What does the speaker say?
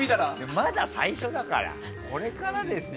まだ最初だからこれからですよ。